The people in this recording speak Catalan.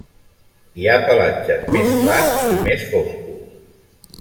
Hi ha pelatges més clars i més foscos.